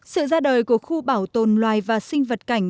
sự ra đời của khu bảo tồn loài và sinh vật cảnh